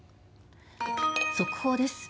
速報です。